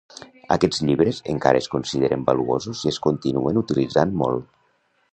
Aquests llibres encara es consideren valuosos i es continuen utilitzant molt.